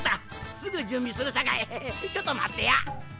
すぐじゅんびするさかいちょっとまってや。